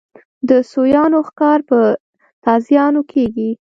د سویانو ښکار په تازیانو کېږي.